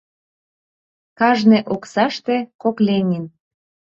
Кажне оксаште — кок Ленин...